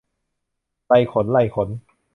ไรขน ไรขน